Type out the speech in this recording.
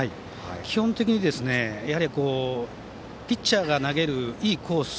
基本的にピッチャーが投げるいいコース